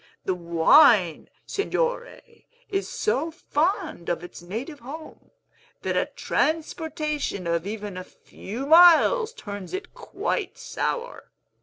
The wine, Signore, is so fond of its native home, that a transportation of even a few miles turns it quite sour.